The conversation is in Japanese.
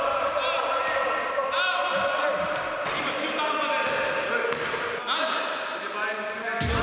今、中途半端です。